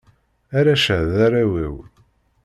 Arrac-a, d arraw-iw.